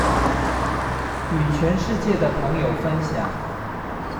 與全世界的朋友分享